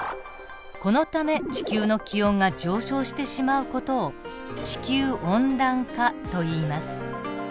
このため地球の気温が上昇してしまう事を地球温暖化といいます。